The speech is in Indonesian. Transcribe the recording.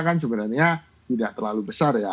kan sebenarnya tidak terlalu besar ya